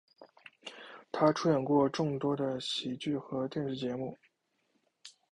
他出演过众多的喜剧和电视节目。